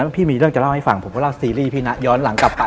พี่มีเรื่องจะเล่าให้ฟังผมก็เล่าซีรีส์พี่นะย้อนหลังกลับไป